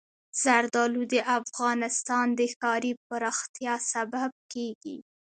زردالو د افغانستان د ښاري پراختیا سبب کېږي.